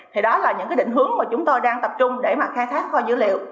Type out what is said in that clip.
thì đó là những cái định hướng mà chúng tôi đang tập trung để mà khai thác kho dữ liệu